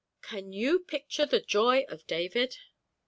Can you picture the joy of David?